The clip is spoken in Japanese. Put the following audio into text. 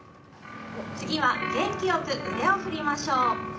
次は元気よく腕を振りましょう。